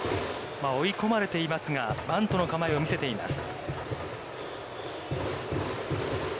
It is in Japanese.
追い込まれていますが、バントの構えを見せています。